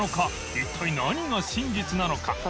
祕貘何が真実なのか？